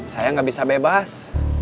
saya gak bisa bebas